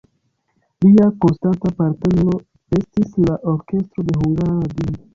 Lia konstanta partnero estis la orkestro de Hungara Radio.